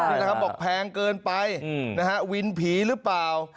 นี่แหละครับบอกแพงเกินไปนะฮะวินผีหรือเปล่า